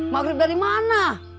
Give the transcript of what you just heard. maghrib dari mana